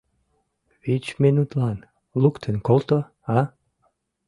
Вич минутлан луктын колто, а?